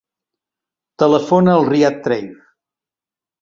Telefona al Riad Trave.